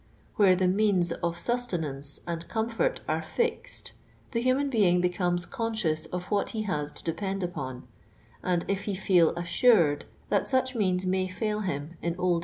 Where the means of sustenance and comfort are fixed, the human l>eing becomes conscious of what he has to depend upon: and if he feel auui'td that such means may fail him in old